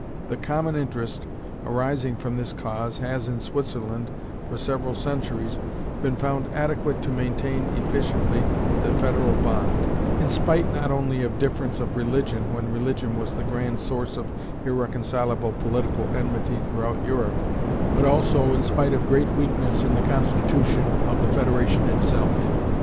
The common interest arising from this cause has in Switzerland, for several centuries, been found adequate to maintain efficiently the federal bond, in spite not only of difference of religion when religion was the grand source of irreconcilable political enmity throughout Europe, but also in spite of great weakness in the constitution of the federation itself.